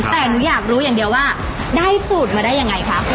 แต่หนูอยากรู้อย่างเดียวว่าได้สูตรมาได้ยังไงคะ